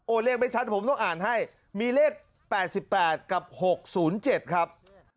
เลขไม่ชัดผมต้องอ่านให้มีเลข๘๘กับ๖๐๗ครับ